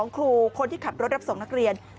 ครูคนที่ขับรถรับส่งนักเรียน